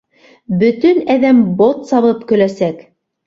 Бөтөн әҙәм бот сабып көләсәк!